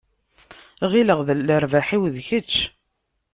Ɣileɣ lerbaḥ-iw d kečč.